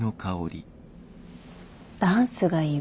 ダンスがいいわ。